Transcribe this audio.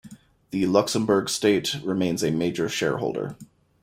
The Luxembourg State remains a major shareholder.